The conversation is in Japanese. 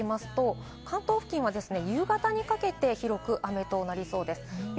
この後も見ていきますと、関東付近は夕方にかけて広く雨となりそうです。